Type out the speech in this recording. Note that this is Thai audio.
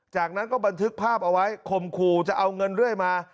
จากนั้นก็บันทึกภาพเอาไว้คมขู่จะเอาเงินเรื่อยมา